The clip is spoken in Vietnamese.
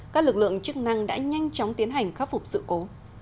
các lực lượng chức năng đã nhanh chóng tiến hành khắc phục sự cố